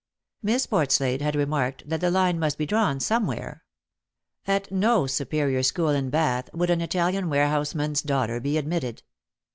Miss Portslade had remarked that the line must be drawn somewhere. At no superior school in Bath would an Italian warehouseman's daughter be admitted.